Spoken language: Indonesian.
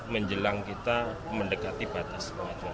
menjelang kita mendekati batas kemajuan